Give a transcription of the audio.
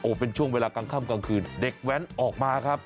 เป็นช่วงเวลากลางค่ำกลางคืนเด็กแว้นออกมาครับ